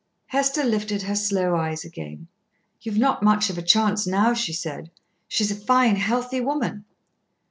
Hester lifted her slow eyes again. "You've not much of a chance now," she said. "She's a fine healthy woman."